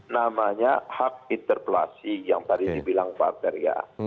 namanya hak interpelasi yang tadi dibilang pak arteria